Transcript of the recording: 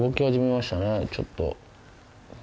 ちょっと。